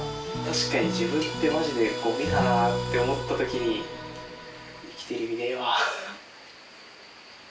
確かに自分ってマジでごみだなって思ったときに生きている意味ねえわ。